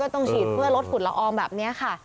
เขาต้องฉีดเพื่อรถผุดละอองแบบนี้ค่ะ